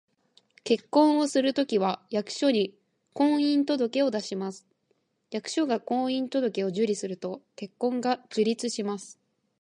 結婚をするときは、役所に「婚姻届」を出します。役所が「婚姻届」を受理すると、結婚が成立します